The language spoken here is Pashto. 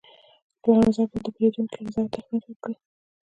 پلورنځی باید د پیرودونکو رضایت ته اهمیت ورکړي.